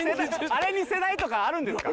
あれに世代とかあるんですか？